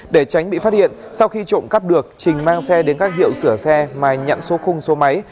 để tránh bị phát hiện sau khi trộm cắp được trình mang xe đến các hiệu sửa xe mà nhận số khung số máy